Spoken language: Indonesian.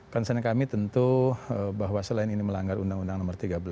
concern kami tentu bahwa selain ini melanggar undang undang nomor tiga belas